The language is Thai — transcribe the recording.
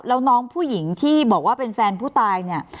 แล้วน้องผู้หญิงที่บอกว่าเป็นแฟนผู้ตายเนี่ย